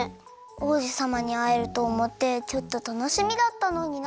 王子さまにあえるとおもってちょっとたのしみだったのにな。